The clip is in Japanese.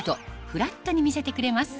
フラットに見せてくれます